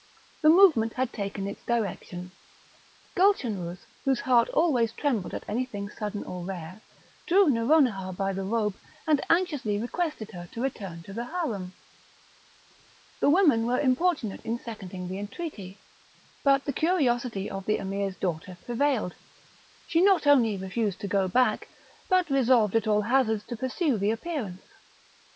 The moment it had taken its direction, Gulchenrouz, whose heart always trembled at anything sudden or rare, drew Nouronihar by the robe, and anxiously requested her to return to the harem; the women were importunate in seconding the entreaty, but the curiosity of the Emir's daughter prevailed; she not only refused to go back, but resolved at all hazards to pursue the appearance.